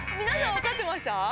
皆さん分かってました？